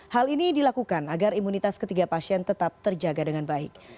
hal ini dilakukan agar imunitas ketiga pasien tetap terjaga dengan baik